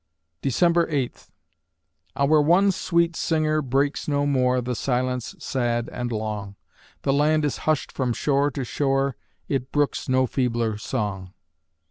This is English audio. December Eighth Our one sweet singer breaks no more The silence sad and long, The land is hushed from shore to shore It brooks no feebler song.